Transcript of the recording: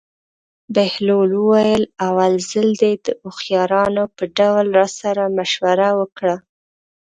بهلول وویل: اول ځل دې د هوښیارانو په ډول راسره مشوره وکړه.